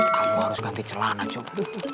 kamu harus ganti celana cukup